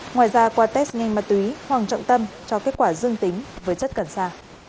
ngoài ra qua test nhanh ma túy hoàng trọng tâm cho kết quả dương tính với chất cần xa